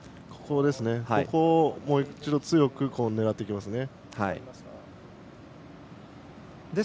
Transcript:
ここをもう一度強く狙っていきます。